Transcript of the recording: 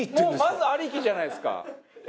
まずありきじゃないですか。